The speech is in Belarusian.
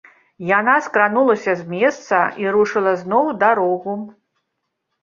Яна скранулася з месца і рушыла зноў у дарогу.